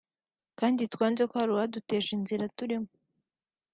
kandi twanze ko hari uwadutesha inzira turimo